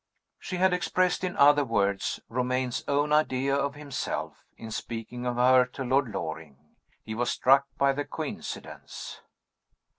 She had expressed, in other words, Romayne's own idea of himself, in speaking of her to Lord Loring. He was struck by the coincidence.